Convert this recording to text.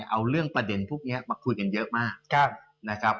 เอาเรื่องประเด็นพวกนี้มาคุยกันเยอะมากนะครับ